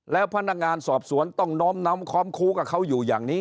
แล้วพนักงานสอบสวนต้องน้อมนำความคู้กับเขาอยู่อย่างนี้